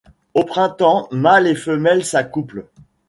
Au printemps mâles et femelles s'accouplent.